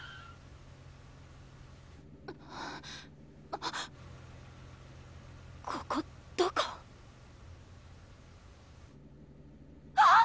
あっここどこ⁉あっ！